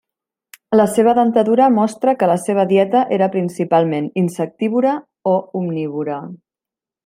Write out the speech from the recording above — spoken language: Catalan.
La seva dentadura mostra que la seva dieta era principalment insectívora o omnívora.